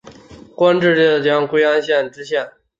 官至浙江归安县知县。